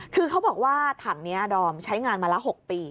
คือเขาบอกว่าถังนี้ดอมใช้งานมาละ๖ปี